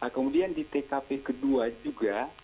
kemudian di tkp kedua juga